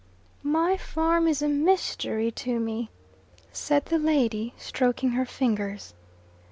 "My farm is a mystery to me," said the lady, stroking her fingers.